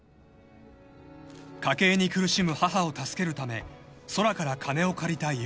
［家計に苦しむ母を助けるため空から金を借りた優］